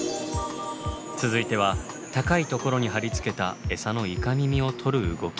続いては高いところに貼り付けたエサのイカミミを取る動き。